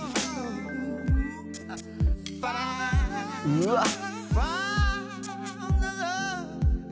「うわっ！」